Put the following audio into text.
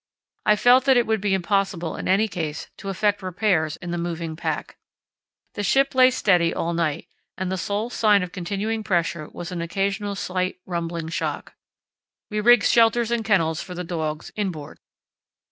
I felt that it would be impossible in any case to effect repairs in the moving pack. The ship lay steady all night, and the sole sign of continuing pressure was an occasional slight rumbling shock. We rigged shelters and kennels for the dogs inboard.